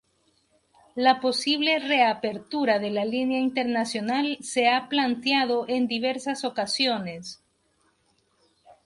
La posible reapertura de la línea internacional se ha planteado en diversas ocasiones.